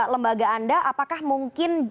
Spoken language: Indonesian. lembaga anda apakah mungkin